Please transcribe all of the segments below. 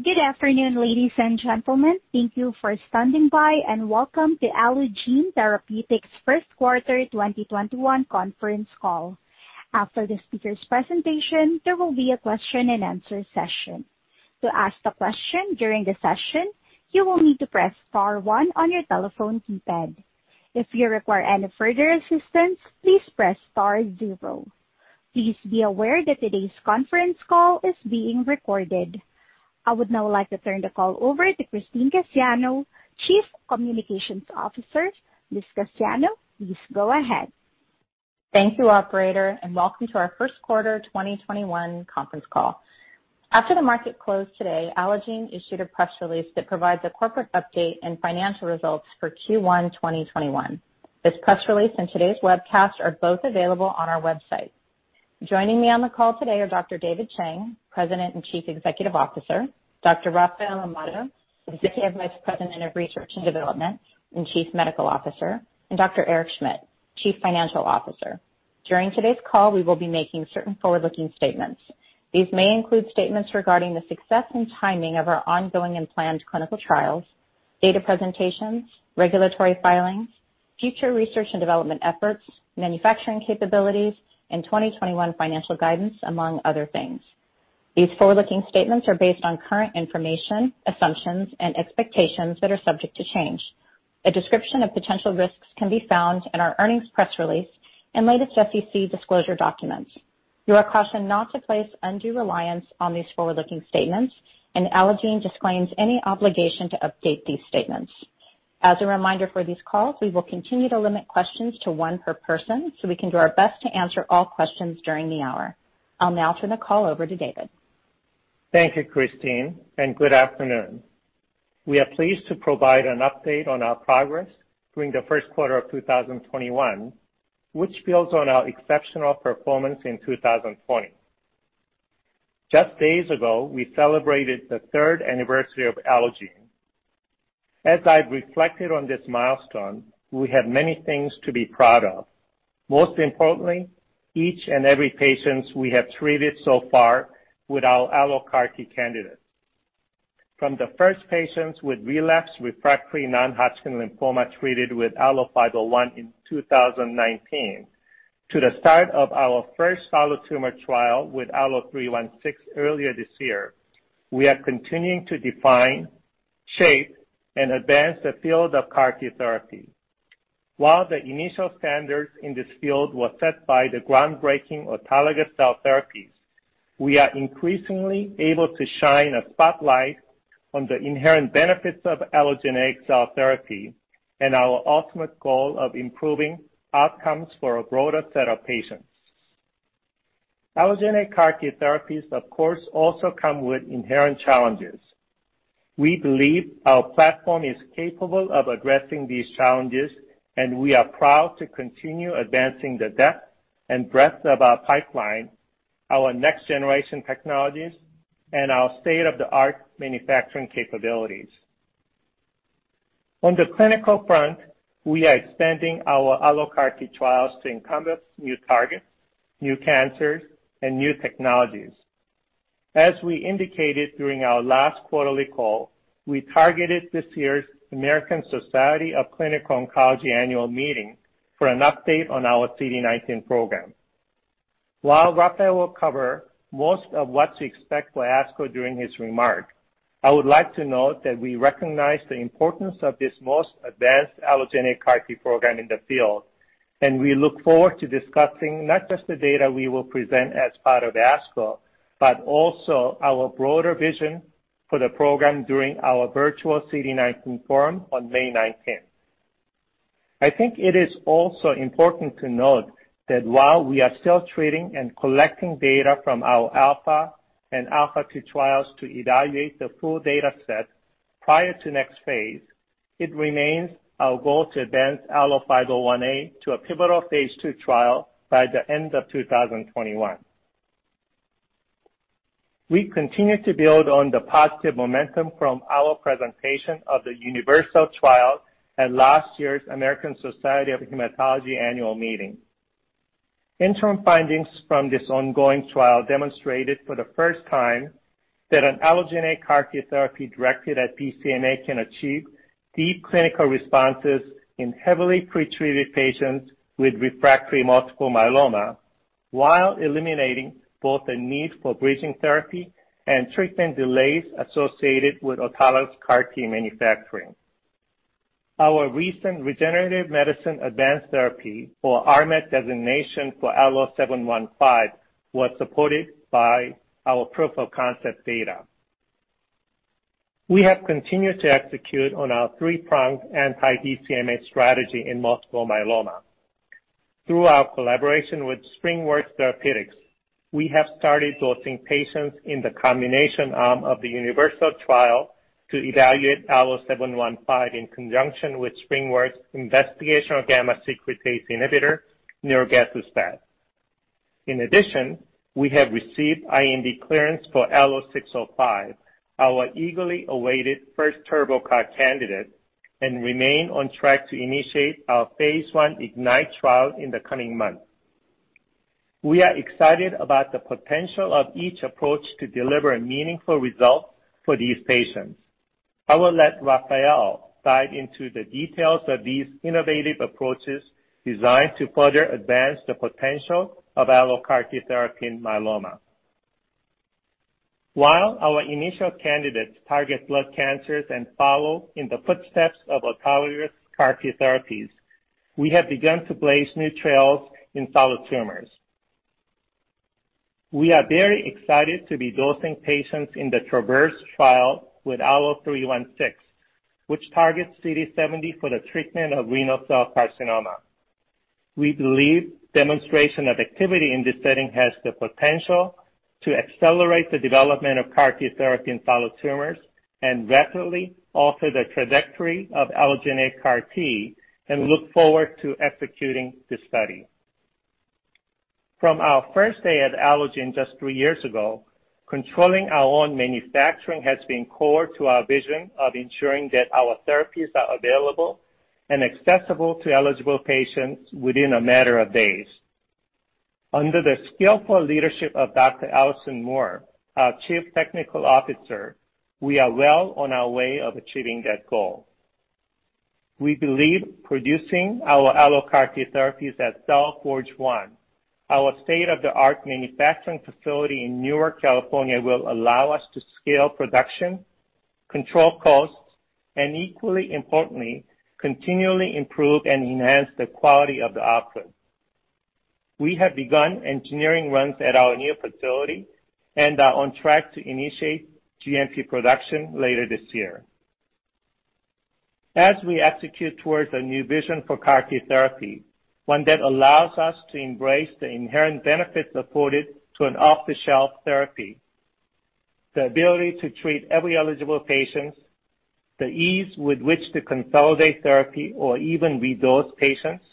Good afternoon, ladies and gentlemen. Thank you for standing by, and welcome to Allogene Therapeutics' first quarter 2021 conference call. After the speaker's presentation, there will be a question-and-answer session. To ask a question during the session, you will need to press star one on your telephone keypad. If you require any further assistance, please press star zero. Please be aware that today's conference call is being recorded. I would now like to turn the call over to Christine Cassiano, Chief Communications Officer. Ms. Cassiano, please go ahead. Thank you, Operator, and welcome to our first quarter 2021 conference call. After the market closed today, Allogene issued a press release that provides a corporate update and financial results for Q1 2021. This press release and today's webcast are both available on our website. Joining me on the call today are Dr. David Chang, President and Chief Executive Officer; Dr. Rafael Amado, Executive Vice President of Research and Development and Chief Medical Officer; and Dr. Eric Schmidt, Chief Financial Officer. During today's call, we will be making certain forward-looking statements. These may include statements regarding the success and timing of our ongoing and planned clinical trials, data presentations, regulatory filings, future research and development efforts, manufacturing capabilities, and 2021 financial guidance, among other things. These forward-looking statements are based on current information, assumptions, and expectations that are subject to change. A description of potential risks can be found in our earnings press release and latest SEC disclosure documents. You are cautioned not to place undue reliance on these forward-looking statements, and Allogene disclaims any obligation to update these statements. As a reminder for these calls, we will continue to limit questions to one per person, so we can do our best to answer all questions during the hour. I'll now turn the call over to David. Thank you, Christine, and good afternoon. We are pleased to provide an update on our progress during the first quarter of 2021, which builds on our exceptional performance in 2020. Just days ago, we celebrated the third anniversary of Allogene. As I've reflected on this milestone, we have many things to be proud of. Most importantly, each and every patient we have treated so far with our AlloCAR-T candidates. From the first patients with relapsed refractory non-Hodgkin lymphoma treated with ALLO-501 in 2019 to the start of our first solid tumor trial with ALLO-316 earlier this year, we are continuing to define, shape, and advance the field of CAR-T therapy. While the initial standards in this field were set by the groundbreaking autologous cell therapies, we are increasingly able to shine a spotlight on the inherent benefits of allogeneic cell therapy and our ultimate goal of improving outcomes for a broader set of patients. Allogeneic CAR-T therapies, of course, also come with inherent challenges. We believe our platform is capable of addressing these challenges, and we are proud to continue advancing the depth and breadth of our pipeline, our next-generation technologies, and our state-of-the-art manufacturing capabilities. On the clinical front, we are expanding our AlloCAR-T trials to encompass new targets, new cancers, and new technologies. As we indicated during our last quarterly call, we targeted this year's American Society of Clinical Oncology annual meeting for an update on our CD19 program. While Rafael will cover most of what to expect for ASCO during his remark, I would like to note that we recognize the importance of this most advanced allogeneic CAR-T program in the field, and we look forward to discussing not just the data we will present as part of ASCO, but also our broader vision for the program during our virtual CD19 forum on May 19th. I think it is also important to note that while we are still treating and collecting data from our ALPHA and ALPHA2 trials to evaluate the full data set prior to the next phase, it remains our goal to advance ALLO-501A to a pivotal phase II trial by the end of 2021. We continue to build on the positive momentum from our presentation of the UNIVERSAL trial at last year's American Society of Hematology annual meeting. Interim findings from this ongoing trial demonstrated for the first time that an allogeneic CAR-T therapy directed at BCMA can achieve deep clinical responses in heavily pretreated patients with refractory multiple myeloma while eliminating both the need for bridging therapy and treatment delays associated with autologous CAR-T manufacturing. Our recent regenerative medicine advanced therapy or RMAT designation for ALLO-715 was supported by our proof of concept data. We have continued to execute on our three-pronged anti-BCMA strategy in multiple myeloma. Through our collaboration with SpringWorks Therapeutics, we have started dosing patients in the combination arm of the UNIVERSAL trial to evaluate ALLO-715 in conjunction with SpringWorks' investigational gamma secretase inhibitor, nirogacestat. In addition, we have received IND clearance for ALLO-605, our eagerly awaited first TurboCAR candidate, and remain on track to initiate our phase I IGNITE trial in the coming months. We are excited about the potential of each approach to deliver meaningful results for these patients. I will let Rafael dive into the details of these innovative approaches designed to further advance the potential of AlloCAR-T therapy in myeloma. While our initial candidates target blood cancers and follow in the footsteps of autologous CAR-T therapies, we have begun to blaze new trails in solid tumors. We are very excited to be dosing patients in the TRAVERSE trial with ALLO-316, which targets CD70 for the treatment of renal cell carcinoma. We believe demonstration of activity in this setting has the potential to accelerate the development of CAR-T therapy in solid tumors and rapidly alter the trajectory of allogeneic CAR-T, and look forward to executing this study. From our first day at Allogene just three years ago, controlling our own manufacturing has been core to our vision of ensuring that our therapies are available and accessible to eligible patients within a matter of days. Under the skillful leadership of Dr. Alison Moore, our Chief Technical Officer, we are well on our way of achieving that goal. We believe producing our AlloCAR-T therapies at Cell Forge 1, our state-of-the-art manufacturing facility in Newark, California, will allow us to scale production, control costs, and equally importantly, continually improve and enhance the quality of the output. We have begun engineering runs at our new facility and are on track to initiate GMP production later this year. As we execute towards a new vision for CAR-T therapy, one that allows us to embrace the inherent benefits afforded to an off-the-shelf therapy, the ability to treat every eligible patient, the ease with which to consolidate therapy or even re-dose patients,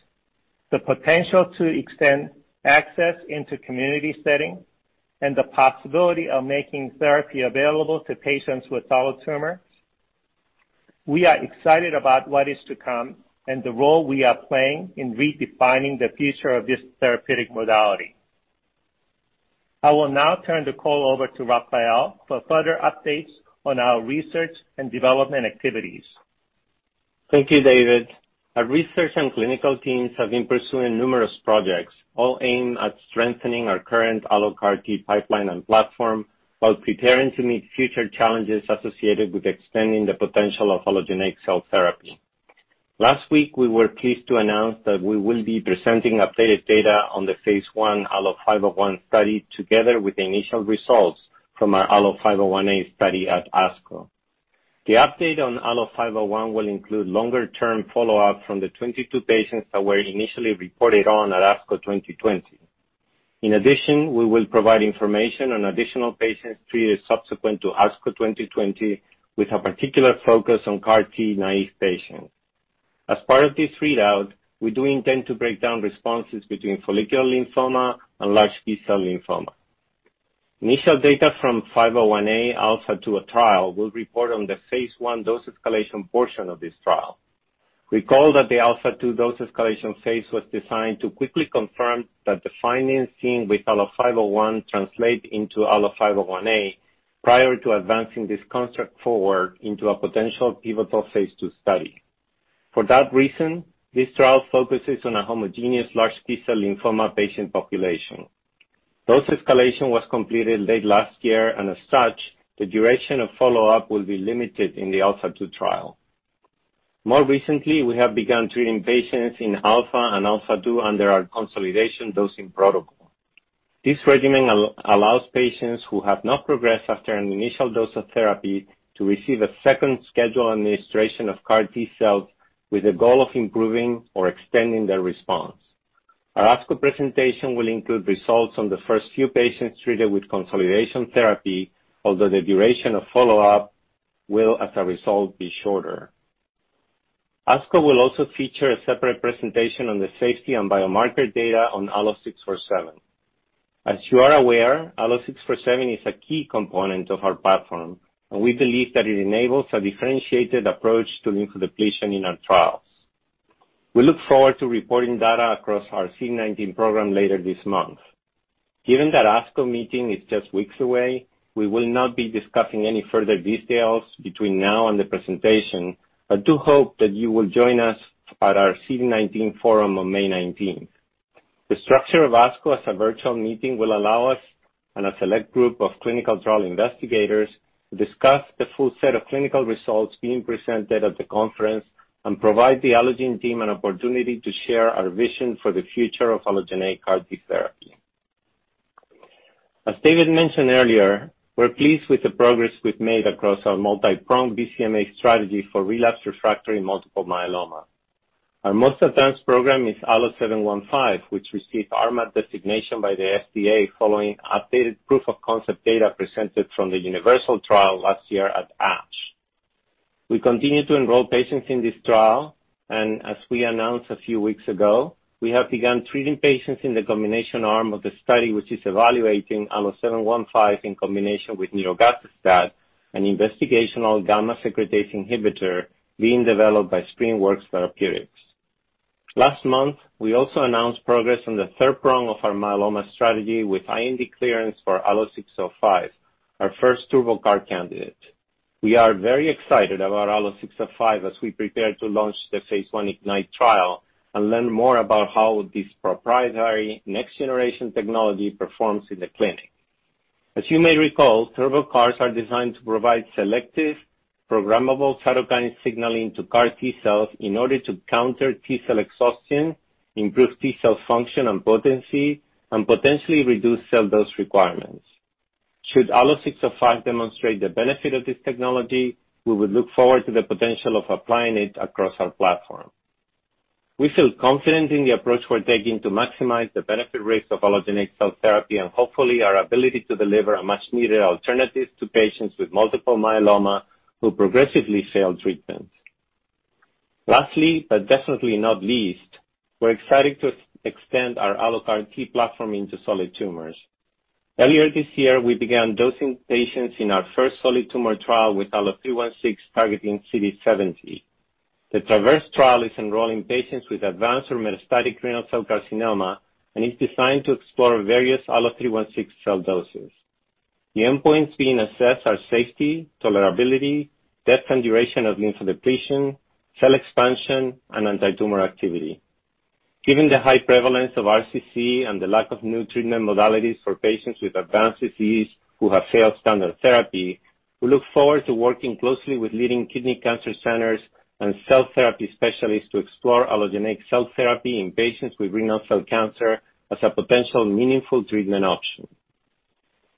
the potential to extend access into community settings, and the possibility of making therapy available to patients with solid tumors, we are excited about what is to come and the role we are playing in redefining the future of this therapeutic modality. I will now turn the call over to Rafael for further updates on our research and development activities. Thank you, David. Our research and clinical teams have been pursuing numerous projects, all aimed at strengthening our current AlloCAR-T pipeline and platform while preparing to meet future challenges associated with extending the potential of allogeneic cell therapy. Last week, we were pleased to announce that we will be presenting updated data on the phase I ALLO-501 study together with the initial results from our ALLO-501A study at ASCO. The update on ALLO-501 will include longer-term follow-up from the 22 patients that were initially reported on at ASCO 2020. In addition, we will provide information on additional patients treated subsequent to ASCO 2020 with a particular focus on CAR-T naive patients. As part of this readout, we do intend to break down responses between follicular lymphoma and large B cell lymphoma. Initial data from 501A ALPHA2 trial will report on the phase I dose escalation portion of this trial. Recall that the ALPHA2 dose escalation phase was designed to quickly confirm that the findings seen with ALLO-501 translate into ALLO-501A prior to advancing this construct forward into a potential pivotal phase II study. For that reason, this trial focuses on a homogeneous large B cell lymphoma patient population. Dose escalation was completed late last year, and as such, the duration of follow-up will be limited in the ALPHA2 trial. More recently, we have begun treating patients in ALPHA and ALPHA2 under our consolidation dosing protocol. This regimen allows patients who have not progressed after an initial dose of therapy to receive a second scheduled administration of CAR-T cells with the goal of improving or extending their response. Our ASCO presentation will include results on the first few patients treated with consolidation therapy, although the duration of follow-up will, as a result, be shorter. ASCO will also feature a separate presentation on the safety and biomarker data on ALLO-647. As you are aware, ALLO-647 is a key component of our platform, and we believe that it enables a differentiated approach to lymphodepletion in our trials. We look forward to reporting data across our CD19 program later this month. Given that ASCO meeting is just weeks away, we will not be discussing any further details between now and the presentation, but do hope that you will join us at our CD19 forum on May 19th. The structure of ASCO as a virtual meeting will allow us and a select group of clinical trial investigators to discuss the full set of clinical results being presented at the conference and provide the Allogene team an opportunity to share our vision for the future of allogeneic CAR-T therapy. As David mentioned earlier, we're pleased with the progress we've made across our multi-pronged BCMA strategy for relapsed refractory multiple myeloma. Our most advanced program is ALLO-715, which received RMAT designation by the FDA following updated proof of concept data presented from the UNIVERSAL trial last year at ASH. We continue to enroll patients in this trial, and as we announced a few weeks ago, we have begun treating patients in the combination arm of the study, which is evaluating ALLO-715 in combination with nirogacestat, an investigational gamma secretase inhibitor being developed by SpringWorks Therapeutics. Last month, we also announced progress on the third prong of our myeloma strategy with IND clearance for ALLO-605, our first TurboCAR candidate. We are very excited about ALLO-605 as we prepare to launch the phase I IGNITE trial and learn more about how this proprietary next-generation technology performs in the clinic. As you may recall, TurboCARs are designed to provide selective, programmable cytokine signaling to CAR-T cells in order to counter T cell exhaustion, improve T cell function and potency, and potentially reduce cell dose requirements. Should ALLO-605 demonstrate the benefit of this technology, we would look forward to the potential of applying it across our platform. We feel confident in the approach we're taking to maximize the benefit rates of allogeneic cell therapy and hopefully our ability to deliver a much-needed alternative to patients with multiple myeloma who progressively fail treatment. Lastly, but definitely not least, we're excited to extend our AlloCAR-T platform into solid tumors. Earlier this year, we began dosing patients in our first solid tumor trial with ALLO-316 targeting CD70. The TRAVERSE trial is enrolling patients with advanced or metastatic renal cell carcinoma and is designed to explore various ALLO-316 cell doses. The endpoints being assessed are safety, tolerability, depth and duration of lymphodepletion, cell expansion, and anti-tumor activity. Given the high prevalence of RCC and the lack of new treatment modalities for patients with advanced disease who have failed standard therapy, we look forward to working closely with leading kidney cancer centers and cell therapy specialists to explore allogeneic cell therapy in patients with renal cell cancer as a potential meaningful treatment option.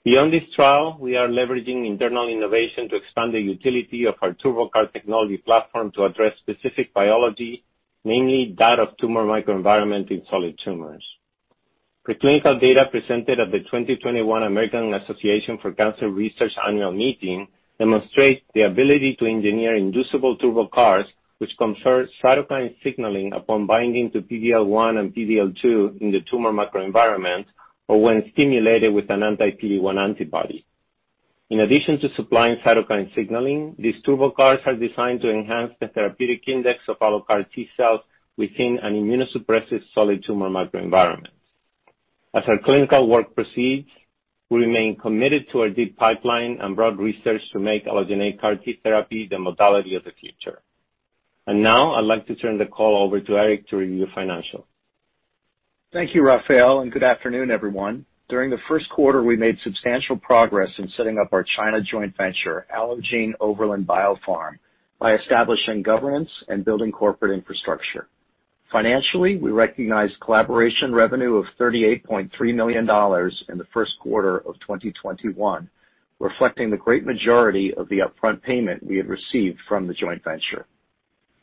Beyond this trial, we are leveraging internal innovation to expand the utility of our TurboCAR technology platform to address specific biology, namely that of tumor microenvironment in solid tumors. Preclinical data presented at the 2021 American Association for Cancer Research annual meeting demonstrates the ability to engineer inducible TurboCARs which confer cytokine signaling upon binding to PDL1 and PDL2 in the tumor microenvironment or when stimulated with an anti-PD1 antibody. In addition to supplying cytokine signaling, these TurboCARs are designed to enhance the therapeutic index of AlloCAR-T cells within an immunosuppressive solid tumor microenvironment. As our clinical work proceeds, we remain committed to our deep pipeline and broad research to make allogeneic CAR-T therapy the modality of the future. I would like to turn the call over to Eric to review financials. Thank you, Rafael, and good afternoon, everyone. During the first quarter, we made substantial progress in setting up our China joint venture, Allogene Overland Biopharm, by establishing governance and building corporate infrastructure. Financially, we recognized collaboration revenue of $38.3 million in the first quarter of 2021, reflecting the great majority of the upfront payment we had received from the joint venture.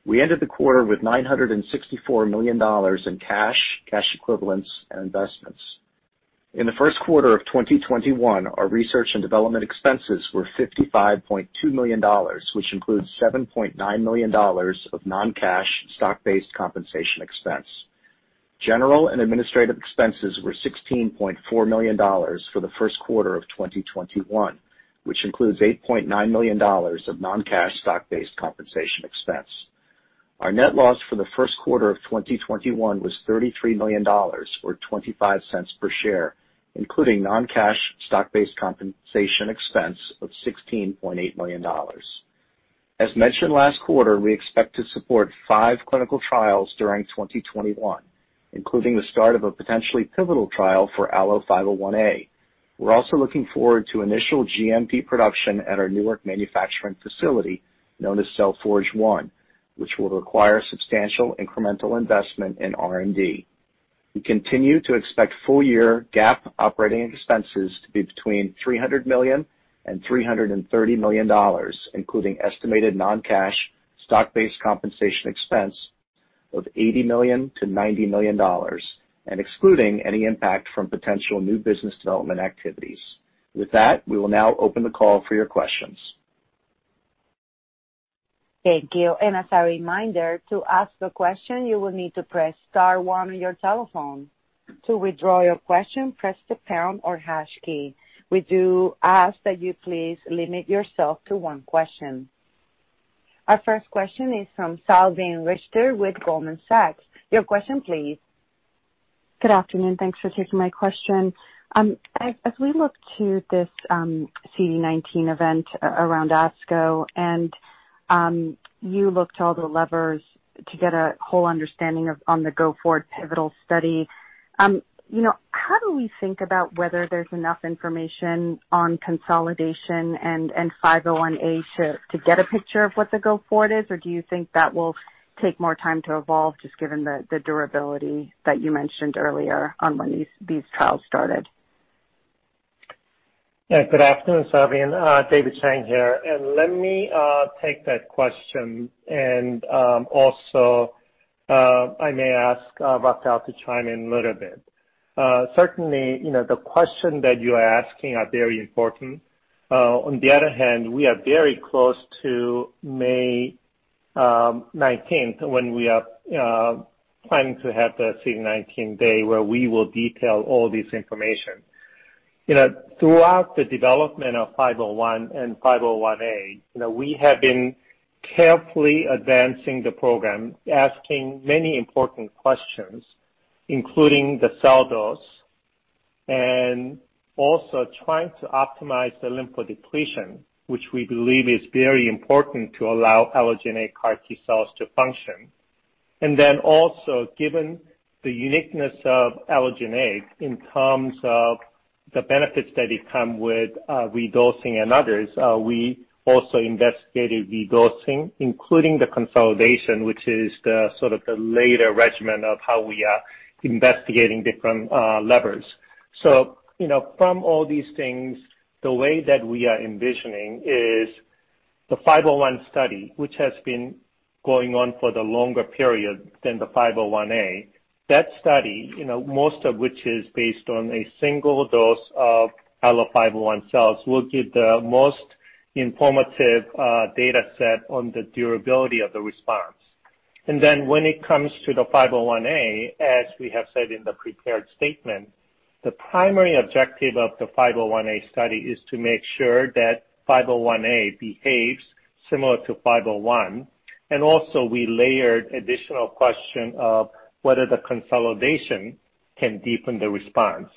We ended the quarter with $964 million in cash, cash equivalents, and investments. In the first quarter of 2021, our research and development expenses were $55.2 million, which includes $7.9 million of non-cash, stock-based compensation expense. General and administrative expenses were $16.4 million for the first quarter of 2021, which includes $8.9 million of non-cash, stock-based compensation expense. Our net loss for the first quarter of 2021 was $33 million, or $0.25 per share, including non-cash, stock-based compensation expense of $16.8 million. As mentioned last quarter, we expect to support five clinical trials during 2021, including the start of a potentially pivotal trial for ALLO-501A. We're also looking forward to initial GMP production at our Newark manufacturing facility known as Cell Forge 1, which will require substantial incremental investment in R&D. We continue to expect full-year GAAP operating expenses to be between $300 million and $330 million, including estimated non-cash, stock-based compensation expense of $80 million-$90 million, and excluding any impact from potential new business development activities. With that, we will now open the call for your questions. Thank you. As a reminder, to ask a question, you will need to press star one on your telephone. To withdraw your question, press the pound or hash key. We do ask that you please limit yourself to one question. Our first question is from Salveen Richter with Goldman Sachs. Your question, please. Good afternoon. Thanks for taking my question. As we look to this CD19 event around ASCO and you look to all the levers to get a whole understanding on the GO4 pivotal study, how do we think about whether there's enough information on consolidation and 501A to get a picture of what the GO4 is, or do you think that will take more time to evolve just given the durability that you mentioned earlier on when these trials started? Yeah. Good afternoon, Salveen. David Chang here. Let me take that question. I may ask Rafael to chime in a little bit. Certainly, the questions that you are asking are very important. On the other hand, we are very close to May 19th when we are planning to have the CD19 day where we will detail all this information. Throughout the development of 501 and 501A, we have been carefully advancing the program, asking many important questions, including the cell dose and also trying to optimize the lymphodepletion, which we believe is very important to allow allogeneic CAR-T cells to function. Then also, given the uniqueness of allogeneic in terms of the benefits that it comes with redosing and others, we also investigated redosing, including the consolidation, which is the sort of the later regimen of how we are investigating different levers. From all these things, the way that we are envisioning is the 501 study, which has been going on for the longer period than the 501A, that study, most of which is based on a single dose of ALLO-501 cells, will give the most informative data set on the durability of the response. When it comes to the 501A, as we have said in the prepared statement, the primary objective of the 501A study is to make sure that 501A behaves similar to 501. We also layered additional questions of whether the consolidation can deepen the response.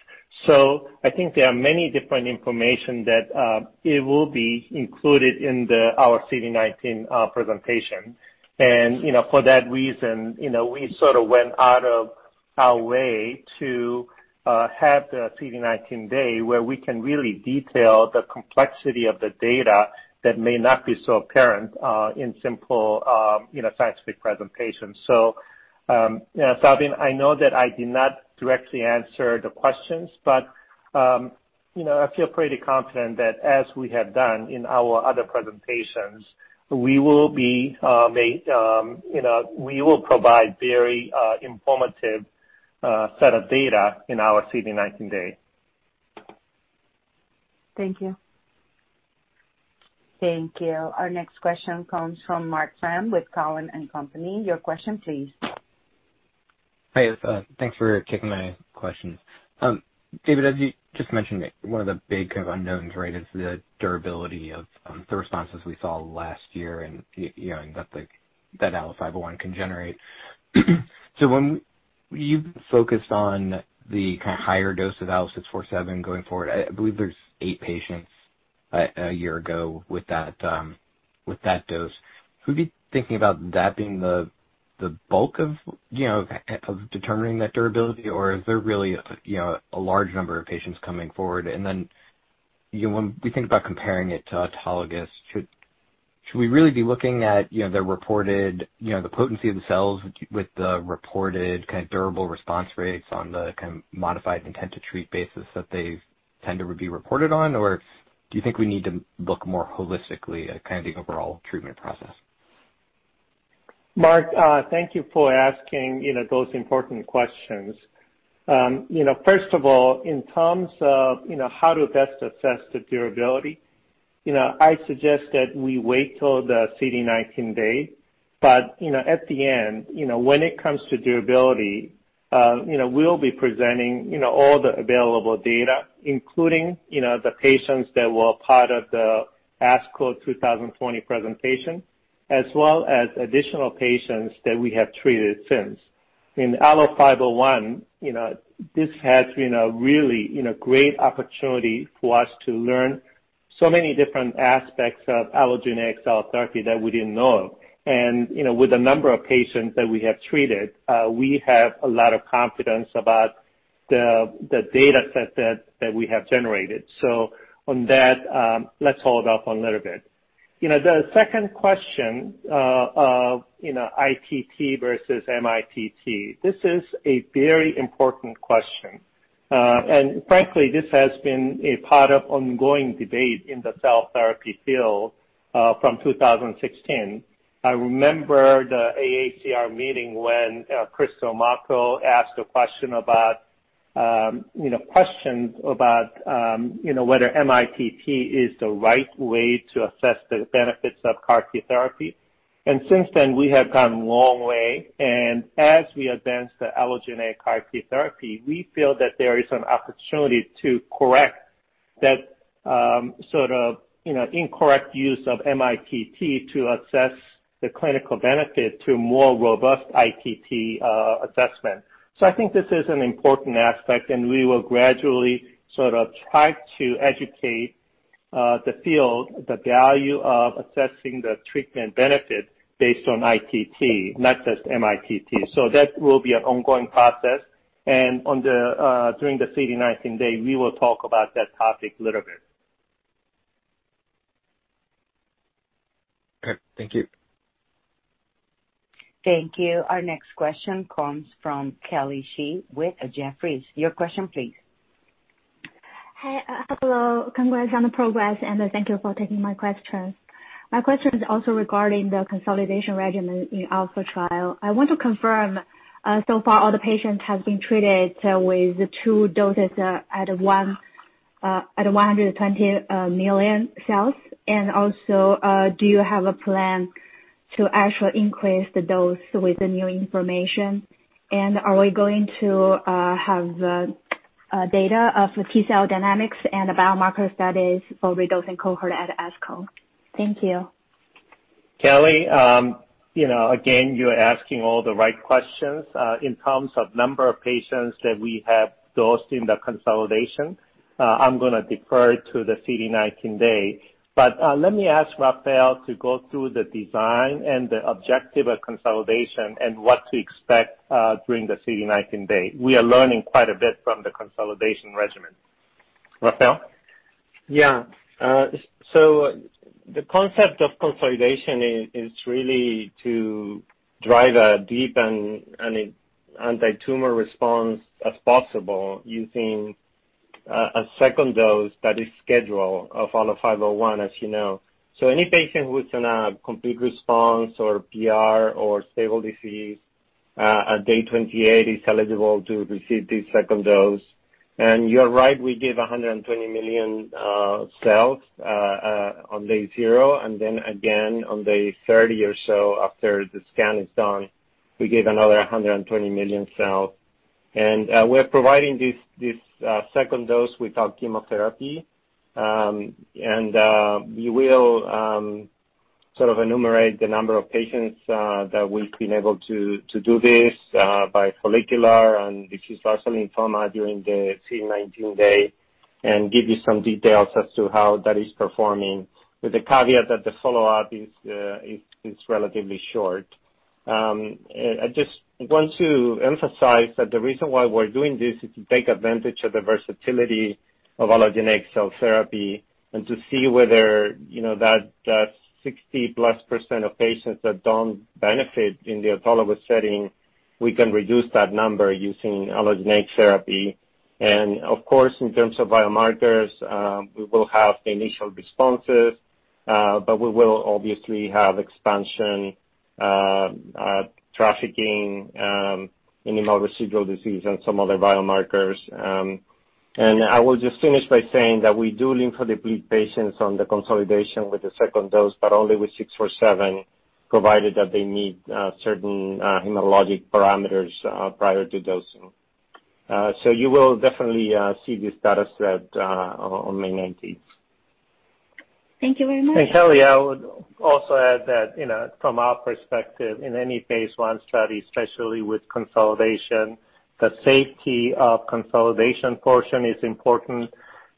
I think there are many different pieces of information that will be included in our CD19 presentation. For that reason, we sort of went out of our way to have the CD19 day where we can really detail the complexity of the data that may not be so apparent in simple scientific presentations. Salveen, I know that I did not directly answer the questions, but I feel pretty confident that as we have done in our other presentations, we will provide a very informative set of data in our CD19 day. Thank you. Thank you. Our next question comes from Marc Frahm with Cowen and Company. Your question, please. Hi. Thanks for taking my questions. David, as you just mentioned, one of the big kind of unknowns, right, is the durability of the responses we saw last year and that ALLO-501 can generate. So when you focused on the kind of higher dose of ALLO-647 going forward, I believe there are eight patients a year ago with that dose. Would we be thinking about that being the bulk of determining that durability, or is there really a large number of patients coming forward? When we think about comparing it to autologous, should we really be looking at the reported potency of the cells with the reported kind of durable response rates on the kind of modified intent to treat basis that they tend to be reported on, or do you think we need to look more holistically at kind of the overall treatment process? Marc, thank you for asking those important questions. First of all, in terms of how to best assess the durability, I suggest that we wait till the CD19 day. At the end, when it comes to durability, we'll be presenting all the available data, including the patients that were a part of the ASCO 2020 presentation, as well as additional patients that we have treated since. In ALLO-501, this has been a really great opportunity for us to learn so many different aspects of allogeneic cell therapy that we did not know of. With the number of patients that we have treated, we have a lot of confidence about the data set that we have generated. On that, let's hold off a little bit. The second question of ITT versus MITT, this is a very important question. Frankly, this has been a part of ongoing debate in the cell therapy field from 2016. I remember the AACR meeting when [Crystal Macho] asked a question about questions about whether MITT is the right way to assess the benefits of CAR-T therapy. Since then, we have come a long way. As we advance the allogeneic CAR-T therapy, we feel that there is an opportunity to correct that sort of incorrect use of MITT to assess the clinical benefit to a more robust ITT assessment. I think this is an important aspect, and we will gradually sort of try to educate the field on the value of assessing the treatment benefit based on ITT, not just MITT. That will be an ongoing process. During the CD19 day, we will talk about that topic a little bit. Okay. Thank you. Thank you. Our next question comes from Kelly Shi with Jefferies. Your question, please. Hi. Hello. Congrats on the progress, and thank you for taking my questions. My question is also regarding the consolidation regimen in our first trial. I want to confirm, so far, all the patients have been treated with two doses at 120 million cells. Also, do you have a plan to actually increase the dose with the new information? Are we going to have data of T cell dynamics and biomarker studies for the redosing cohort at ASCO? Thank you. Kelly, again, you're asking all the right questions. In terms of number of patients that we have dosed in the consolidation, I'm going to defer to the CD19 day. Let me ask Rafael to go through the design and the objective of consolidation and what to expect during the CD19 day. We are learning quite a bit from the consolidation regimen. Rafael? Yeah. The concept of consolidation is really to drive a deep and anti-tumor response as possible using a second dose that is scheduled of ALLO-501, as you know. Any patient who's in a complete response or PR or stable disease at day 28 is eligible to receive this second dose. You're right, we give 120 million cells on day zero. Then again, on day 30 or so, after the scan is done, we give another 120 million cells. We're providing this second dose without chemotherapy. We will sort of enumerate the number of patients that we've been able to do this by follicular and diffuse large lymphoma during the CD19 day and give you some details as to how that is performing with the caveat that the follow-up is relatively short. I just want to emphasize that the reason why we're doing this is to take advantage of the versatility of allogeneic cell therapy and to see whether that 60%+ of patients that don't benefit in the autologous setting, we can reduce that number using allogeneic therapy. Of course, in terms of biomarkers, we will have the initial responses, but we will obviously have expansion, trafficking, minimal residual disease, and some other biomarkers. I will just finish by saying that we do lymphodeplete patients on the consolidation with the second dose, but only with 647, provided that they meet certain hematologic parameters prior to dosing. You will definitely see this data set on May 19th. Thank you very much. Kelly, I would also add that from our perspective, in any phase I study, especially with consolidation, the safety of the consolidation portion is important,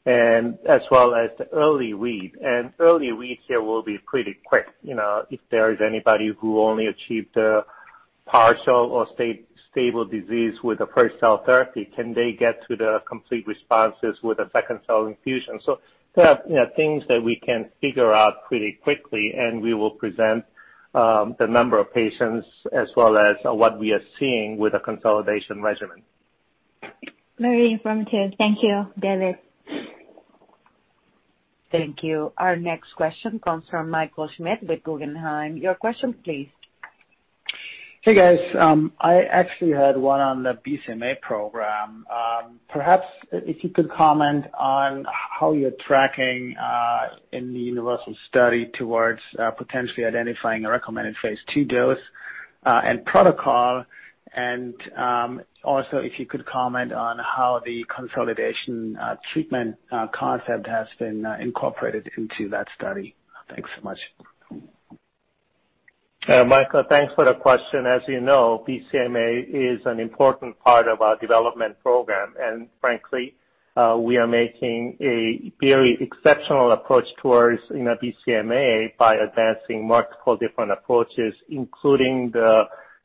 as well as the early read. The early read here will be pretty quick. If there is anybody who only achieved a partial or stable disease with the first cell therapy, can they get to the complete responses with a second cell infusion? There are things that we can figure out pretty quickly, and we will present the number of patients as well as what we are seeing with the consolidation regimen. Very informative. Thank you, David. Thank you. Our next question comes from Michael Schmidt with Guggenheim. Your question, please. Hey, guys. I actually had one on the BCMA program. Perhaps if you could comment on how you're tracking in the UNIVERSAL study towards potentially identifying a recommended phase II dose and protocol. Also, if you could comment on how the consolidation treatment concept has been incorporated into that study. Thanks so much. Michael, thanks for the question. As you know, BCMA is an important part of our development program. Frankly, we are making a very exceptional approach towards BCMA by advancing multiple different approaches, including the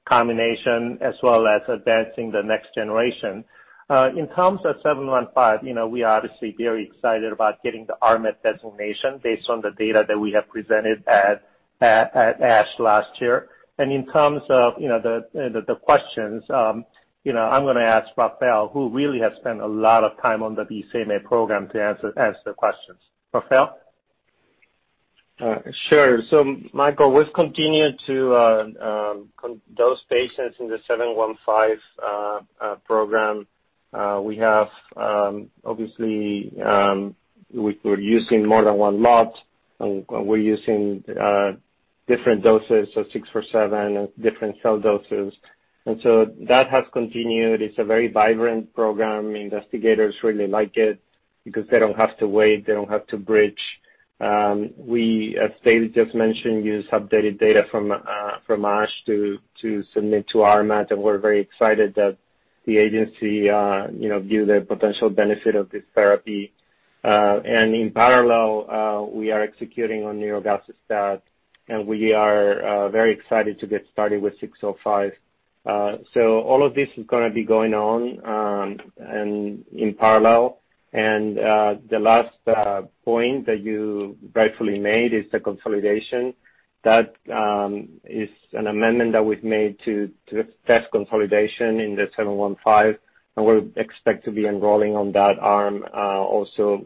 combination as well as advancing the next generation. In terms of 715, we are obviously very excited about getting the RMAT designation based on the data that we have presented at ASH last year. In terms of the questions, I'm going to ask Rafael, who really has spent a lot of time on the BCMA program, to answer the questions. Rafael? Sure. Michael, we've continued to dose patients in the 715 program. We are obviously using more than one lot. We're using different doses of 647 and different cell doses. That has continued. It's a very vibrant program. Investigators really like it because they don't have to wait. They don't have to bridge. We, as David just mentioned, use updated data from ASH to submit to RMAT. We're very excited that the agency viewed the potential benefit of this therapy. In parallel, we are executing on nirogacestat. We are very excited to get started with 605. All of this is going to be going on in parallel. The last point that you rightfully made is the consolidation. That is an amendment that we've made to test consolidation in the 715. We expect to be enrolling on that arm also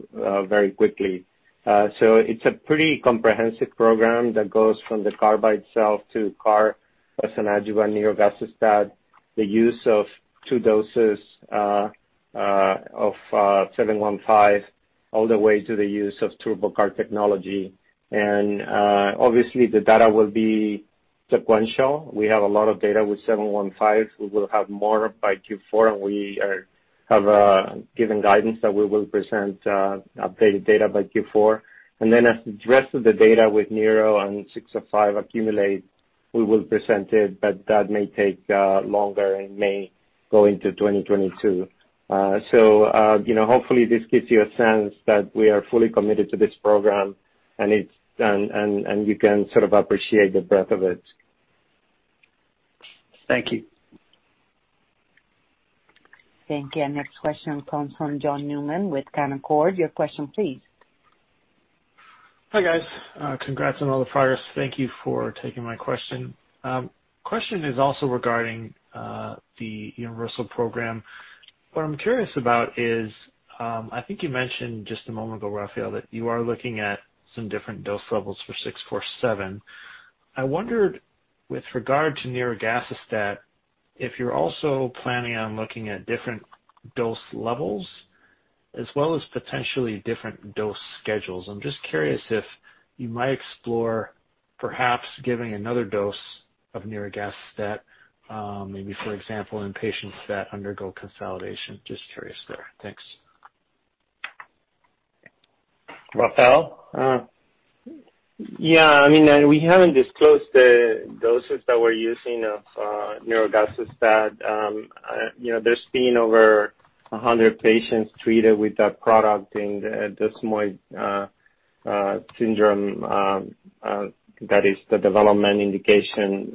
very quickly. It's a pretty comprehensive program that goes from the CAR by itself to CAR as an adjuvant with nirogacestat, the use of two doses of 715, all the way to the use of TurboCAR technology. Obviously, the data will be sequential. We have a lot of data with 715. We will have more by Q4. We have given guidance that we will present updated data by Q4. As the rest of the data with niro and 605 accumulate, we will present it. That may take longer and may go into 2022. Hopefully, this gives you a sense that we are fully committed to this program, and you can sort of appreciate the breadth of it. Thank you. Thank you. Our next question comes from John Newman with Piper Sandler. Your question, please. Hi, guys. Congrats on all the progress. Thank you for taking my question. The question is also regarding the UNIVERSAL program. What I'm curious about is I think you mentioned just a moment ago, Rafael, that you are looking at some different dose levels for 647. I wondered with regard to nirogacestat if you're also planning on looking at different dose levels as well as potentially different dose schedules. I'm just curious if you might explore perhaps giving another dose of nirogacestat, maybe for example, in patients that undergo consolidation. Just curious there. Thanks. Rafael? Yeah. I mean, we haven't disclosed the doses that we're using of nirogacestat. There's been over 100 patients treated with that product in the desmoid syndrome that is the development indication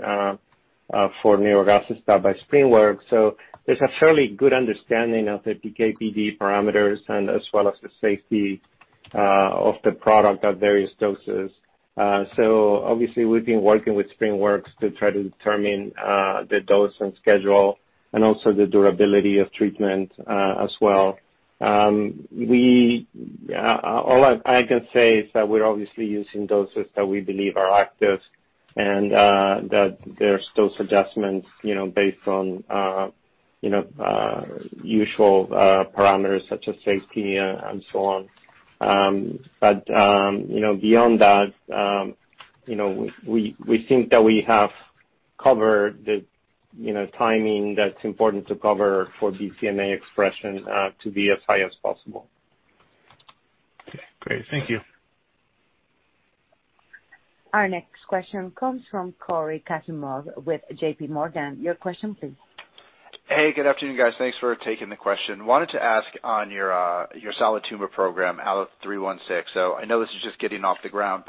for nirogacestat by SpringWorks. So there's a fairly good understanding of the PK/PD parameters and as well as the safety of the product at various doses. Obviously, we've been working with SpringWorks to try to determine the dose and schedule and also the durability of treatment as well. All I can say is that we're obviously using doses that we believe are active and that there's dose adjustments based on usual parameters such as safety and so on. Beyond that, we think that we have covered the timing that's important to cover for BCMA expression to be as high as possible. Okay. Great. Thank you. Our next question comes from Cory Kassimov with JPMorgan. Your question, please. Hey, good afternoon, guys. Thanks for taking the question. Wanted to ask on your solid tumor program, ALLO-316. I know this is just getting off the ground.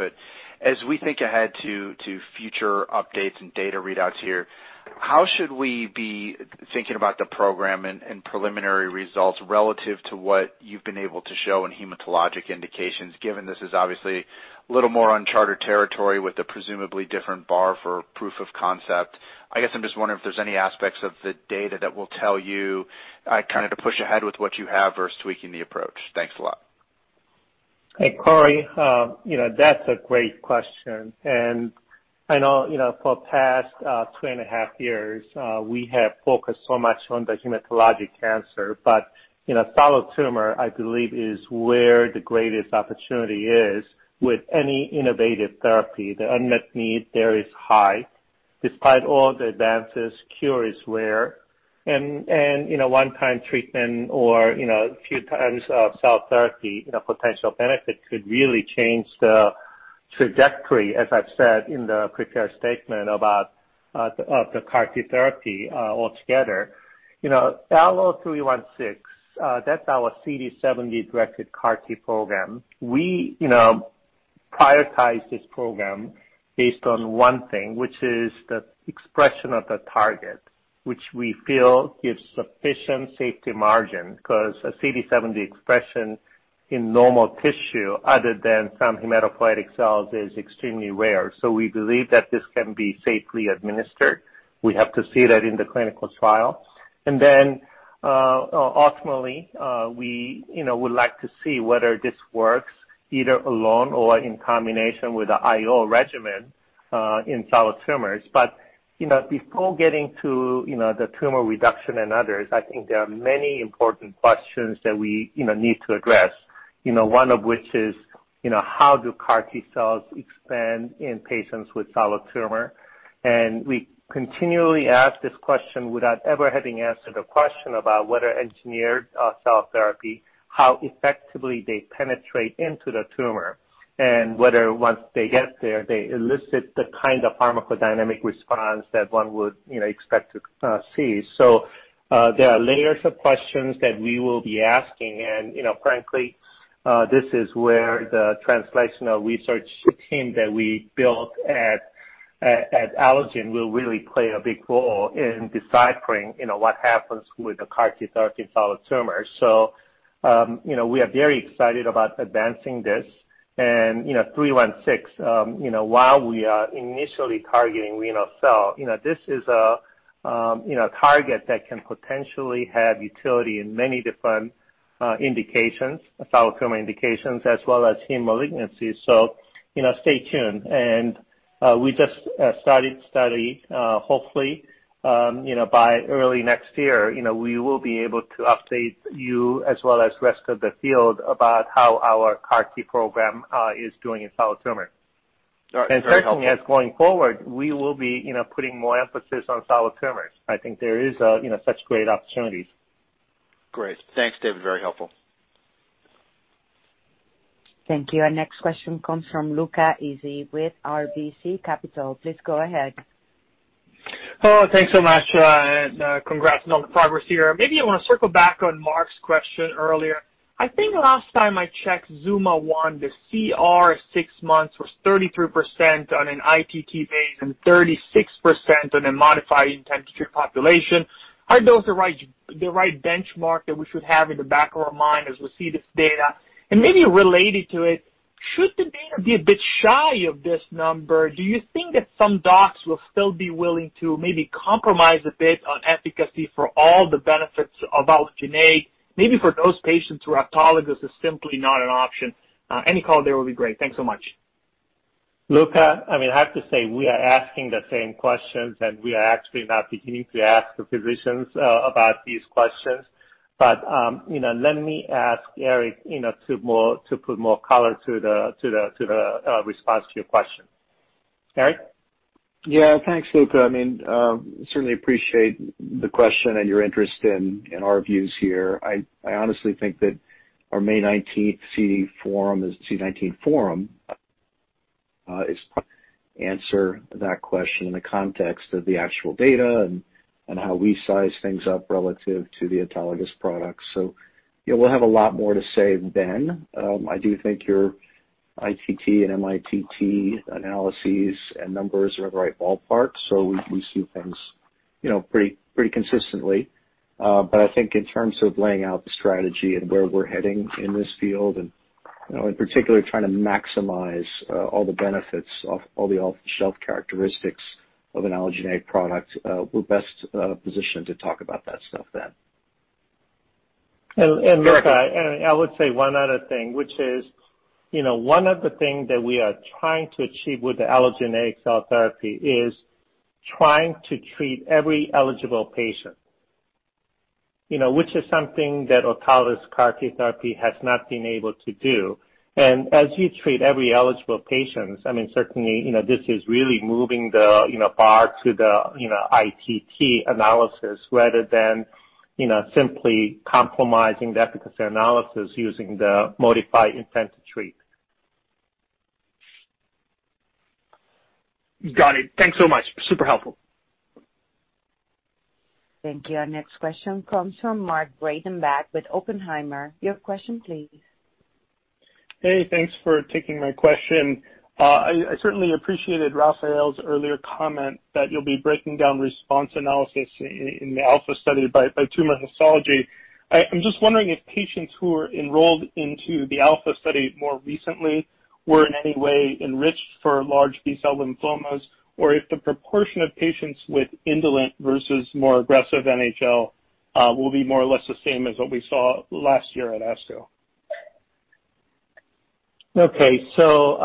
As we think ahead to future updates and data readouts here, how should we be thinking about the program and preliminary results relative to what you've been able to show in hematologic indications, given this is obviously a little more unchartered territory with a presumably different bar for proof of concept? I guess I'm just wondering if there's any aspects of the data that will tell you kind of to push ahead with what you have versus tweaking the approach. Thanks a lot. Hey, Cory. That's a great question. I know for the past two and a half years, we have focused so much on the hematologic cancer. Solid tumor, I believe, is where the greatest opportunity is with any innovative therapy. The unmet need there is high. Despite all the advances, cure is rare. One-time treatment or a few times of cell therapy, potential benefit could really change the trajectory, as I've said in the prepared statement about the CAR-T therapy altogether. ALLO-316, that's our CD70-directed CAR-T program. We prioritize this program based on one thing, which is the expression of the target, which we feel gives sufficient safety margin because a CD70 expression in normal tissue other than some hematopoietic cells is extremely rare. We believe that this can be safely administered. We have to see that in the clinical trial. Ultimately, we would like to see whether this works either alone or in combination with an IO regimen in solid tumors. Before getting to the tumor reduction and others, I think there are many important questions that we need to address, one of which is how do CAR-T cells expand in patients with solid tumor? We continually ask this question without ever having answered the question about whether engineered cell therapy, how effectively they penetrate into the tumor, and whether once they get there, they elicit the kind of pharmacodynamic response that one would expect to see. There are layers of questions that we will be asking. Frankly, this is where the translational research team that we built at Allogene will really play a big role in deciphering what happens with the CAR-T therapy in solid tumors. We are very excited about advancing this. 316, while we are initially targeting renal cell, this is a target that can potentially have utility in many different indications, solid tumor indications, as well as heme malignancies. Stay tuned. We just started the study. Hopefully, by early next year, we will be able to update you as well as the rest of the field about how our CAR-T program is doing in solid tumor. Frankly, as going forward, we will be putting more emphasis on solid tumors. I think there is such great opportunities. Great. Thanks, David. Very helpful. Thank you. Our next question comes from Luca Issi with RBC Capital. Please go ahead. Thanks so much. Congrats on the progress here. Maybe I want to circle back on Marc's question earlier. I think last time I checked, ZUMA-1, the CR six months was 33% on an ITT base and 36% on a modified intensity population. Are those the right benchmark that we should have in the back of our mind as we see this data? Maybe related to it, should the data be a bit shy of this number? Do you think that some docs will still be willing to maybe compromise a bit on efficacy for all the benefits of allogeneic? Maybe for those patients who are autologous, it is simply not an option. Any call there will be great. Thanks so much. Luca, I mean, I have to say we are asking the same questions, and we are actually now beginning to ask the physicians about these questions. Let me ask Eric to put more color to the response to your question. Eric? Yeah. Thanks, Luca. I mean, certainly appreciate the question and your interest in our views here. I honestly think that our May 19th CD19 forum will answer that question in the context of the actual data and how we size things up relative to the autologous products. We will have a lot more to say then. I do think your ITT and MITT analyses and numbers are in the right ballpark. We see things pretty consistently. I think in terms of laying out the strategy and where we're heading in this field and in particular trying to maximize all the benefits of all the off-the-shelf characteristics of an allogeneic product, we're best positioned to talk about that stuff then. Luca, I would say one other thing, which is one of the things that we are trying to achieve with the allogeneic cell therapy is trying to treat every eligible patient, which is something that autologous CAR-T therapy has not been able to do. As you treat every eligible patient, I mean, certainly, this is really moving the bar to the ITT analysis rather than simply compromising the efficacy analysis using the modified intent-to-treat. Got it. Thanks so much. Super helpful. Thank you. Our next question comes from Mark Breidenbach with Oppenheimer. Your question, please. Hey, thanks for taking my question. I certainly appreciated Rafael's earlier comment that you'll be breaking down response analysis in the ALPHA study by tumor histology. I'm just wondering if patients who are enrolled into the ALPHA study more recently were in any way enriched for large B-cell lymphomas or if the proportion of patients with indolent versus more aggressive NHL will be more or less the same as what we saw last year at ASCO. Okay. So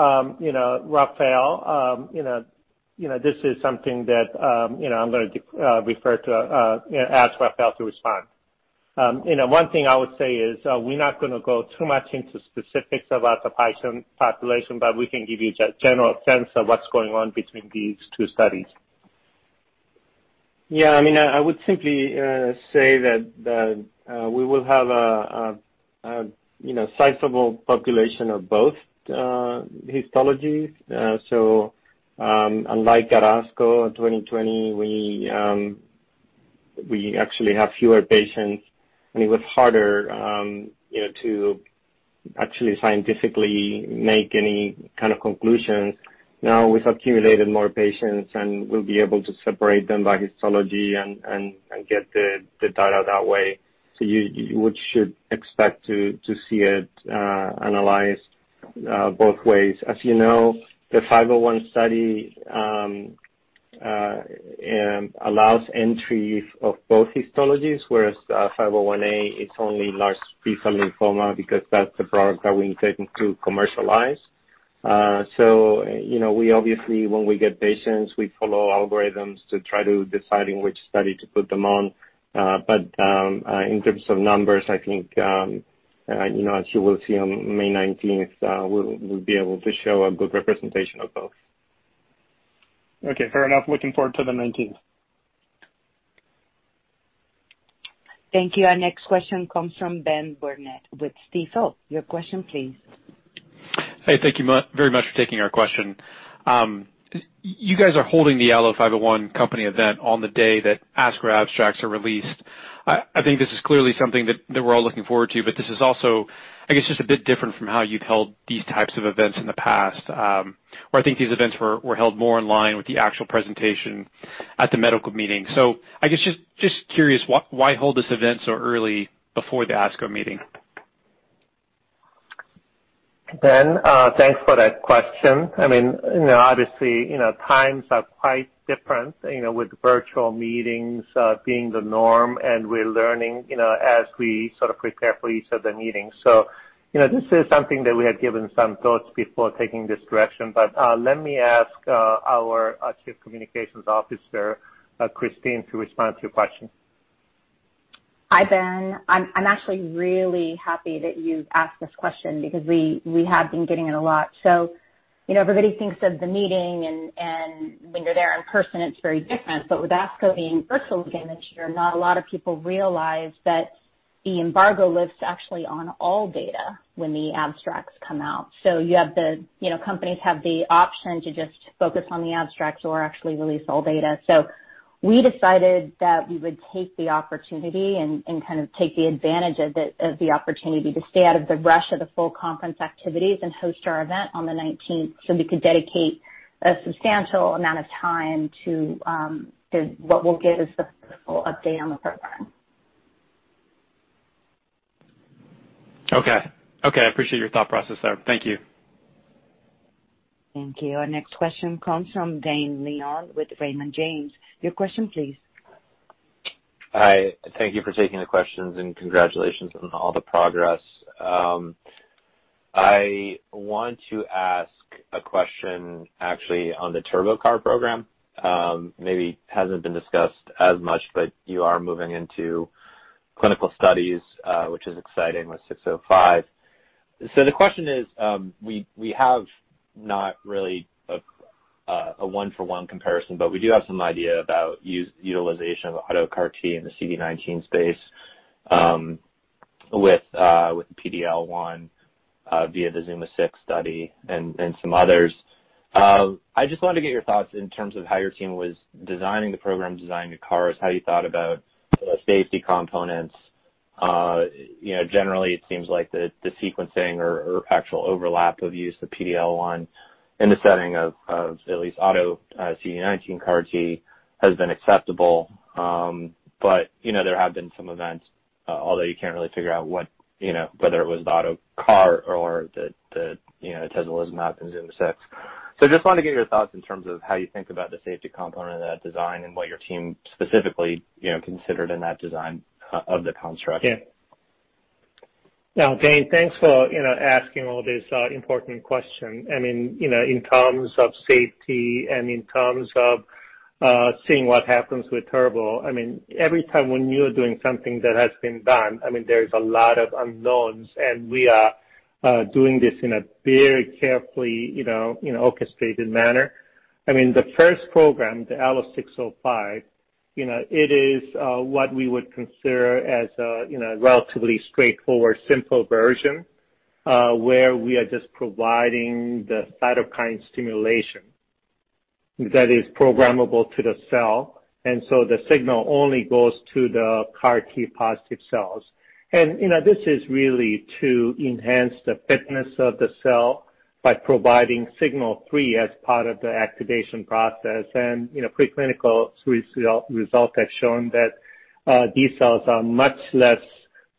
Rafael, this is something that I'm going to refer to ask Rafael to respond. One thing I would say is we're not going to go too much into specifics about the patient population, but we can give you a general sense of what's going on between these two studies. Yeah. I mean, I would simply say that we will have a sizable population of both histologies. Unlike at ASCO in 2020, we actually have fewer patients, and it was harder to actually scientifically make any kind of conclusions. Now we've accumulated more patients, and we'll be able to separate them by histology and get the data that way. You should expect to see it analyzed both ways. As you know, the 501 study allows entry of both histologies, whereas 501A is only large B-cell lymphoma because that's the product that we intend to commercialize. We obviously, when we get patients, we follow algorithms to try to decide in which study to put them on. In terms of numbers, I think as you will see on May 19th, we'll be able to show a good representation of both. Okay. Fair enough. Looking forward to the 19th. Thank you. Our next question comes from Ben Burnett with Stifel. Your question, please. Hey, thank you very much for taking our question. You guys are holding the ALLO-501 company event on the day that ASCO abstracts are released. I think this is clearly something that we're all looking forward to, but this is also, I guess, just a bit different from how you've held these types of events in the past, where I think these events were held more in line with the actual presentation at the medical meeting. I guess just curious, why hold this event so early before the ASCO meeting? Ben, thanks for that question. I mean, obviously, times are quite different with virtual meetings being the norm, and we're learning as we sort of prepare for each of the meetings. This is something that we had given some thought before taking this direction. Let me ask our Chief Communications Officer, Christine, to respond to your question. Hi, Ben. I am actually really happy that you have asked this question because we have been getting it a lot. Everybody thinks of the meeting, and when you are there in person, it is very different. With ASCO being virtual again this year, not a lot of people realize that the embargo lives actually on all data when the abstracts come out. The companies have the option to just focus on the abstracts or actually release all data. We decided that we would take the opportunity and kind of take the advantage of the opportunity to stay out of the rush of the full conference activities and host our event on the 19th so we could dedicate a substantial amount of time to what will give us the full update on the program. Okay. I appreciate your thought process there. Thank you. Our next question comes from Dane Leone with Raymond James. Your question, please. Hi. Thank you for taking the questions and congratulations on all the progress. I want to ask a question actually on the TurboCAR program. Maybe it has not been discussed as much, but you are moving into clinical studies, which is exciting with 605. The question is we have not really a one-for-one comparison, but we do have some idea about utilization of AlloCAR-T in the CD19 space with the PDL1 via the ZUMA-6 study and some others. I just wanted to get your thoughts in terms of how your team was designing the program, designing the CARs, how you thought about safety components. Generally, it seems like the sequencing or actual overlap of use of PDL1 in the setting of at least AlloCD19 CAR-T has been acceptable. There have been some events, although you can't really figure out whether it was the AlloCAR or the [tislelizumab] and ZUMA-6. I just wanted to get your thoughts in terms of how you think about the safety component of that design and what your team specifically considered in that design of the construct. Yeah. Now, David, thanks for asking all these important questions. I mean, in terms of safety and in terms of seeing what happens with Turbo, I mean, every time when you're doing something that has been done, I mean, there is a lot of unknowns, and we are doing this in a very carefully orchestrated manner. I mean, the first program, the ALLO-605, it is what we would consider as a relatively straightforward simple version where we are just providing the cytokine stimulation that is programmable to the cell. The signal only goes to the CAR-T positive cells. This is really to enhance the fitness of the cell by providing signal three as part of the activation process. Preclinical results have shown that these cells are much less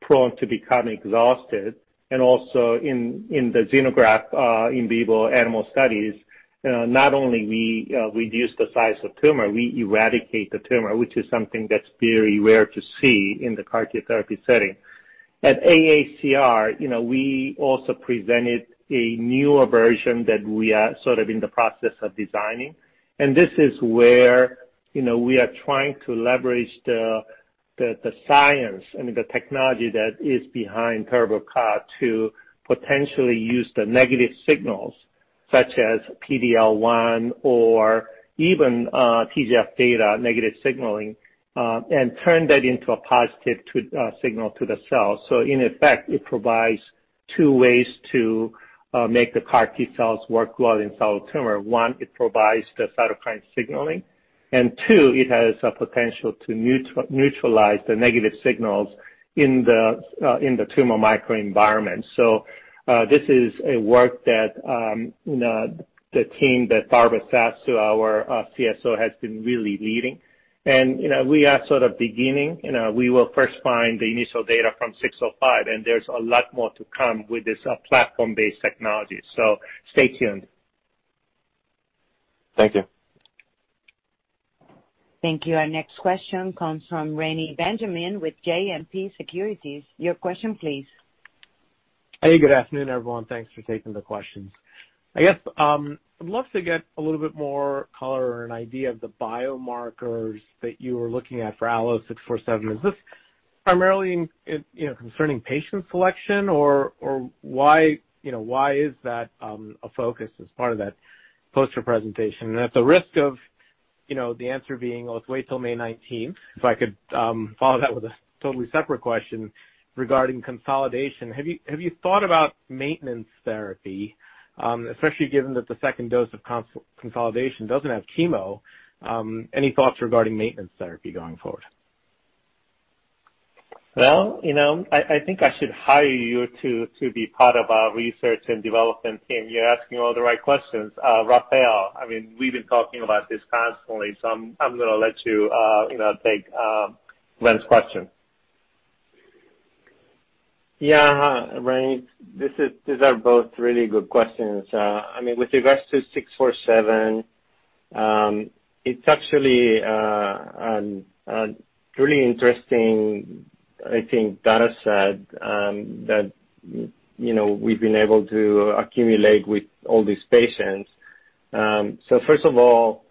prone to becoming exhausted. Also in the xenograft in vivo animal studies, not only do we reduce the size of tumor, we eradicate the tumor, which is something that's very rare to see in the CAR-T therapy setting. At AACR, we also presented a newer version that we are sort of in the process of designing. This is where we are trying to leverage the science and the technology that is behind TurboCAR to potentially use the negative signals such as PDL1 or even TGF-β negative signaling and turn that into a positive signal to the cell. In effect, it provides two ways to make the CAR-T cells work well in solid tumor. One, it provides the cytokine signaling. Two, it has a potential to neutralize the negative signals in the tumor microenvironment. This is a work that the team that Barbra Sasu, our CSO, has been really leading. We are sort of beginning. We will first find the initial data from 605, and there is a lot more to come with this platform-based technology. Stay tuned. Thank you. Thank you. Our next question comes from Reni Benjamin with JMP Securities. Your question, please. Hey, good afternoon, everyone. Thanks for taking the questions. I guess I would love to get a little bit more color or an idea of the biomarkers that you were looking at for ALLO-647. Is this primarily concerning patient selection, or why is that a focus as part of that poster presentation? At the risk of the answer being, "Let's wait till May 19th," if I could follow that with a totally separate question regarding consolidation. Have you thought about maintenance therapy, especially given that the second dose of consolidation does not have chemo? Any thoughts regarding maintenance therapy going forward? I think I should hire you to be part of our research and development team. You're asking all the right questions. Rafael, I mean, we've been talking about this constantly, so I'm going to let you take Ben's question. Yeah. Right. These are both really good questions. I mean, with regards to 647, it's actually a really interesting, I think, dataset that we've been able to accumulate with all these patients. First of all,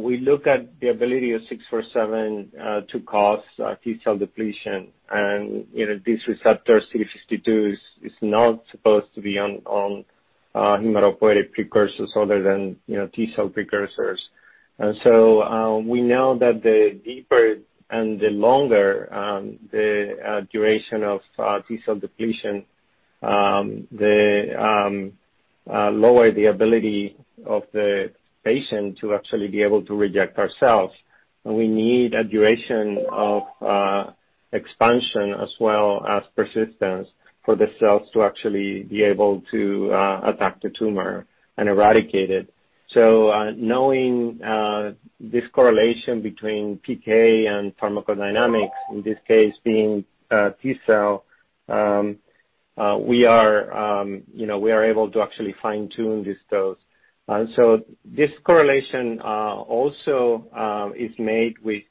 we look at the ability of 647 to cause T-cell depletion. This receptor CD52 is not supposed to be on hematopoietic precursors other than T-cell precursors. We know that the deeper and the longer the duration of T-cell depletion, the lower the ability of the patient to actually be able to reject ourselves. We need a duration of expansion as well as persistence for the cells to actually be able to attack the tumor and eradicate it. Knowing this correlation between PK and pharmacodynamics, in this case being T-cell, we are able to actually fine-tune these doses. This correlation also is made with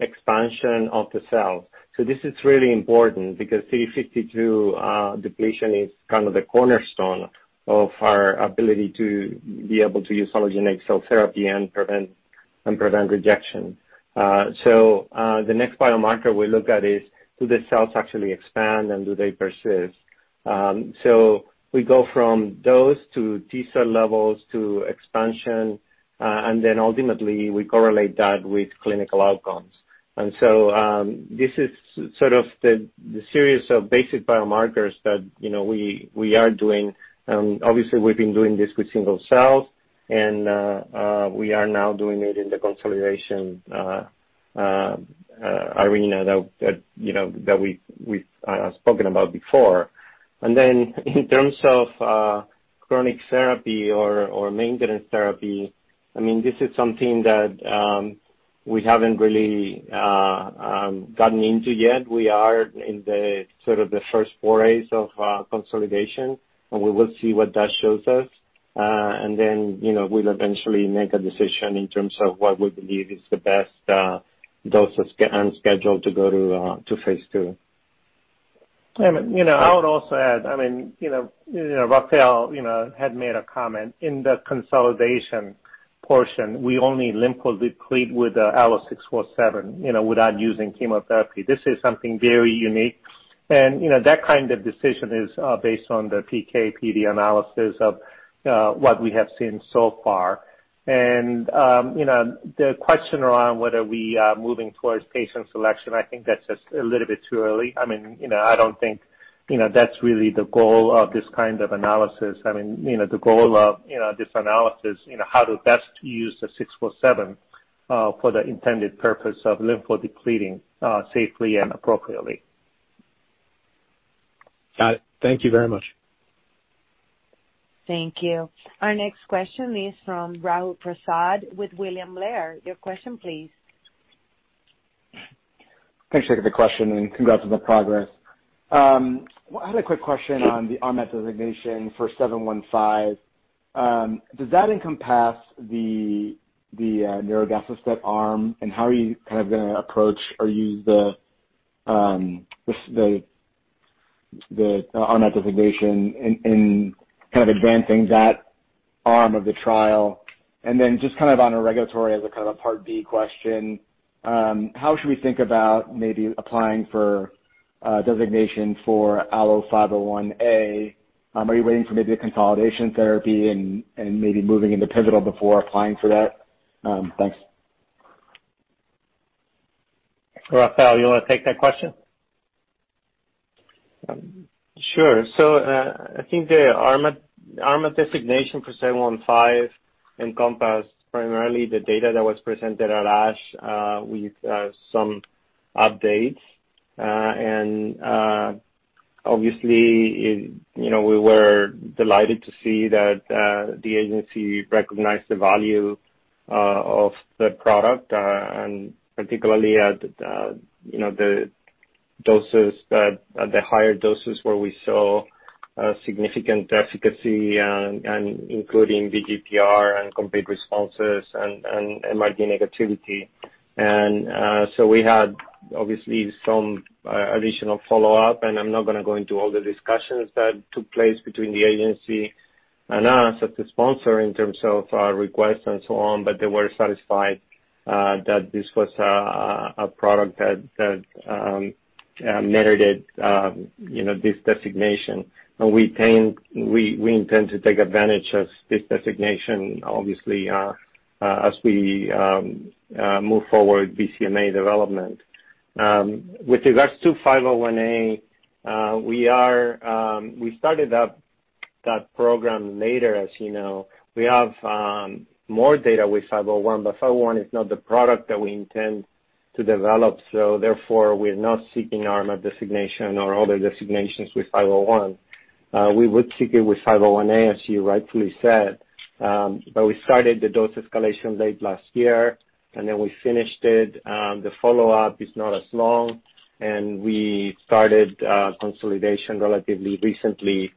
expansion of the cells. This is really important because CD52 depletion is kind of the cornerstone of our ability to be able to use allogeneic cell therapy and prevent rejection. The next biomarker we look at is, do the cells actually expand, and do they persist? We go from dose to T-cell levels to expansion, and then ultimately, we correlate that with clinical outcomes. This is sort of the series of basic biomarkers that we are doing. Obviously, we've been doing this with single cells, and we are now doing it in the consolidation arena that we've spoken about before. In terms of chronic therapy or maintenance therapy, I mean, this is something that we haven't really gotten into yet. We are in sort of the first four days of consolidation, and we will see what that shows us. We will eventually make a decision in terms of what we believe is the best dose and schedule to go to phase II. I would also add, I mean, Rafael had made a comment. In the consolidation portion, we only lymphodeplete with ALLO-647 without using chemotherapy. This is something very unique. That kind of decision is based on the PK/PD analysis of what we have seen so far. The question around whether we are moving towards patient selection, I think that's just a little bit too early. I mean, I don't think that's really the goal of this kind of analysis. I mean, the goal of this analysis is how to best use the 647 for the intended purpose of lympho-depleting safely and appropriately. Got it. Thank you very much. Thank you. Our next question is from Raju Prasad with William Blair. Your question, please. Thanks for taking the question, and congrats on the progress. I had a quick question on the RMAT designation for 715. Does that encompass the neurodiverse step arm, and how are you kind of going to approach or use the RMAT designation in kind of advancing that arm of the trial? And then just kind of on a regulatory as a kind of a part B question, how should we think about maybe applying for designation for ALLO-501A? Are you waiting for maybe the consolidation therapy and maybe moving into pivotal before applying for that? Thanks. Rafael, you want to take that question? Sure. I think the RMAT designation for 715 encompassed primarily the data that was presented at ASH with some updates. Obviously, we were delighted to see that the agency recognized the value of the product, and particularly at the doses, the higher doses where we saw significant efficacy, including VGPR and complete responses and MRD negativity. We had obviously some additional follow-up, and I'm not going to go into all the discussions that took place between the agency and us as the sponsor in terms of our requests and so on, but they were satisfied that this was a product that merited this designation. We intend to take advantage of this designation, obviously, as we move forward with BCMA development. With regards to 501A, we started that program later, as you know. We have more data with 501, but 501 is not the product that we intend to develop. Therefore, we're not seeking RMAT designation or other designations with 501. We would seek it with 501A, as you rightfully said. We started the dose escalation late last year, and then we finished it. The follow-up is not as long, and we started consolidation relatively recently.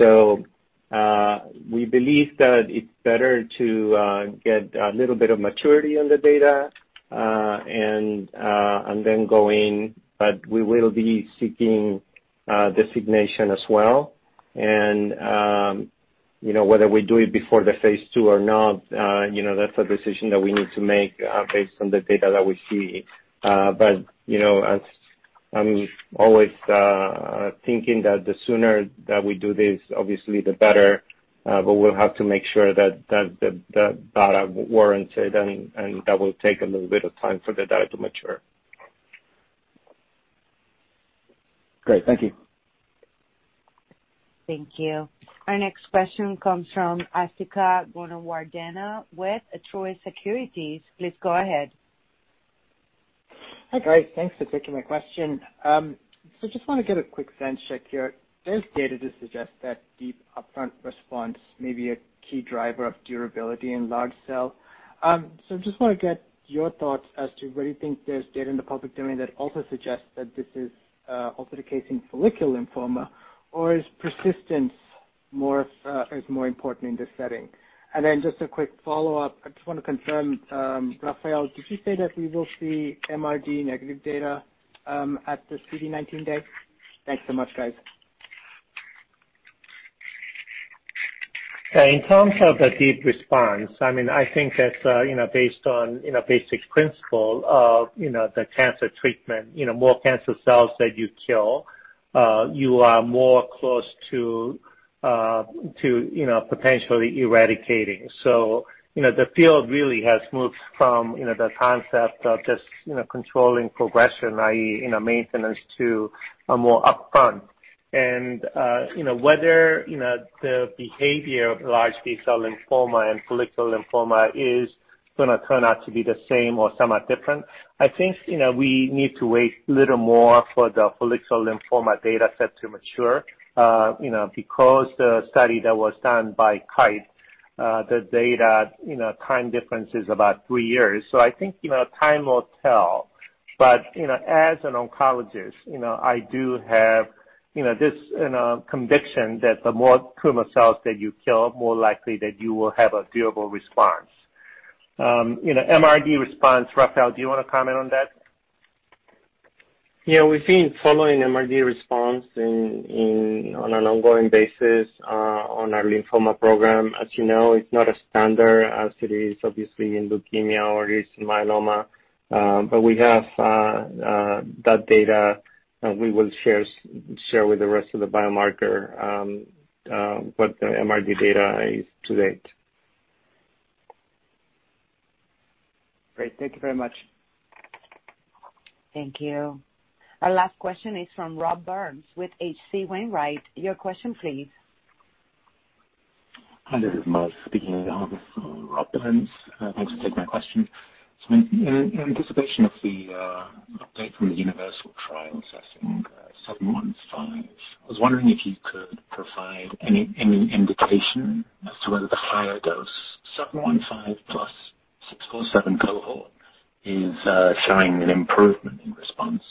We believe that it's better to get a little bit of maturity on the data and then go in, but we will be seeking designation as well. Whether we do it before the phase II or not, that's a decision that we need to make based on the data that we see. I'm always thinking that the sooner that we do this, obviously, the better, but we'll have to make sure that the data warrants it, and that will take a little bit of time for the data to mature. Great. Thank you. Thank you. Our next question comes from Asthika Goonewardene with Truist Securities. Please go ahead. Hi, guys. Thanks for taking my question. I just want to get a quick sense check here. There's data to suggest that deep upfront response may be a key driver of durability in large cell. I just want to get your thoughts as to whether you think there's data in the public domain that also suggests that this is also the case in follicular lymphoma, or is persistence more important in this setting? Just a quick follow-up. I just want to confirm, Rafael, did you say that we will see MRD negative data at the CD19 day? Thanks so much, guys. In terms of the deep response, I mean, I think that's based on a basic principle of the cancer treatment. More cancer cells that you kill, you are more close to potentially eradicating. The field really has moved from the concept of just controlling progression, i.e., maintenance, to a more upfront. Whether the behavior of large B-cell lymphoma and follicular lymphoma is going to turn out to be the same or somewhat different, I think we need to wait a little more for the follicular lymphoma dataset to mature because the study that was done by Kite, the data time difference is about three years. I think time will tell. As an oncologist, I do have this conviction that the more tumor cells that you kill, the more likely that you will have a durable response. MRD response, Rafael, do you want to comment on that? Yeah. We've been following MRD response on an ongoing basis on our lymphoma program. As you know, it's not as standard as it is, obviously, in leukemia or it's in myeloma. We have that data, and we will share with the rest of the biomarker what the MRD data is to date. Great. Thank you very much. Thank you. Our last question is from Rob Burns with H.C. Wainwright. Your question, please. Hi, this is Miles speaking. Rob Burns. Thanks for taking my question. In anticipation of the update from the UNIVERSAL trial, I think 715, I was wondering if you could provide any indication as to whether the higher dose 715 plus 647 cohort is showing an improvement in response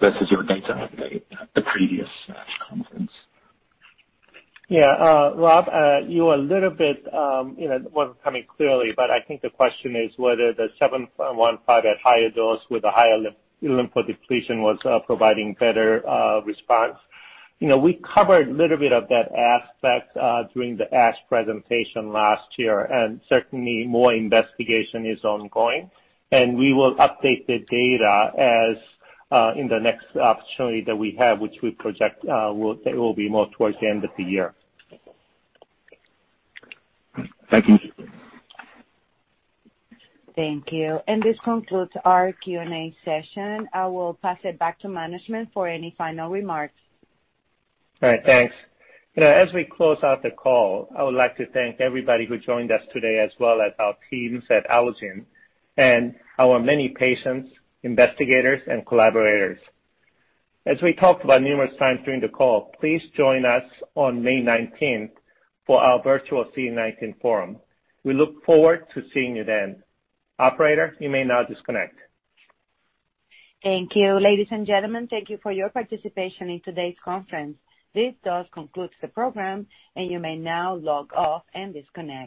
versus your data update at the previous conference. Yeah. Rob, you were a little bit, it was not coming clearly, but I think the question is whether the 715 at higher dose with a higher lymphodepletion was providing better response. We covered a little bit of that aspect during the ASH presentation last year, and certainly, more investigation is ongoing. We will update the data in the next opportunity that we have, which we project will be more towards the end of the year. Thank you. Thank you. This concludes our Q&A session. I will pass it back to management for any final remarks. All right. Thanks. As we close out the call, I would like to thank everybody who joined us today, as well as our teams at Allogene and our many patients, investigators, and collaborators. As we talked about numerous times during the call, please join us on May 19th for our virtual CD19 forum. We look forward to seeing you then. Operator, you may now disconnect. Thank you. Ladies and gentlemen, thank you for your participation in today's conference. This does conclude the program, and you may now log off and disconnect.